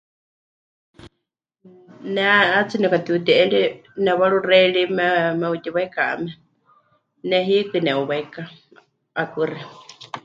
Ne 'aatsí nepɨkatiuti'eri, nepɨwaruxei ri me... me'utíwaikame. Ne hiikɨ nepɨwaika, 'akuxi.